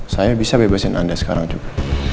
saya bisa bebasin anda sekarang juga